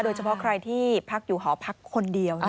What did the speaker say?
โดยเฉพาะใครที่พักอยู่หอพักคนเดียว